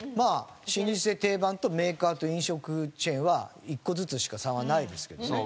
老舗・定番とメーカーと飲食チェーンは１個ずつしか差はないですけどね。